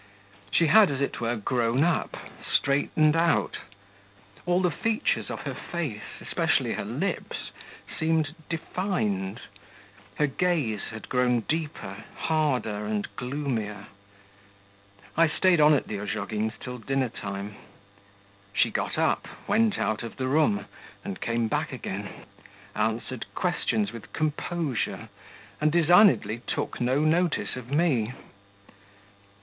She had, as it were, grown up, straightened out; all the features of her face, especially her lips, seemed defined ... her gaze had grown deeper, harder, and gloomier. I stayed on at the Ozhogins' till dinner time. She got up, went out of the room, and came back again, answered questions with composure, and designedly took no notice of me.